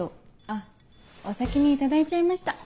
あっお先にいただいちゃいました。